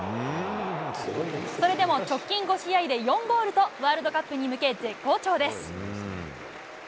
それでも直近５試合で４ゴールと、ワールドカップに向け絶好調です。